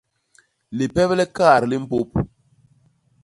Lipep li kaat li mpôp.